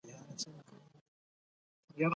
د ماشوم د ښوونې مسئولیت والدین لري.